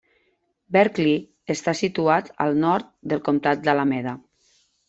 Berkeley està situat en el nord del Comtat d'Alameda.